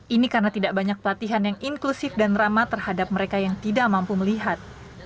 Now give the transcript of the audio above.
ini karena tidak banyak pelatihan yang inklusif dan ramah terhadap mereka yang tidak mampu melihat